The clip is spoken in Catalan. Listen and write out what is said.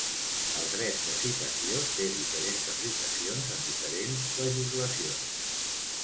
El dret de citació té diferents aplicacions en diferents legislacions.